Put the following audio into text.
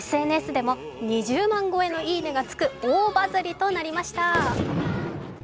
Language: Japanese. ＳＮＳでも２０万超えの「いいね」がつく大バズりとなりました。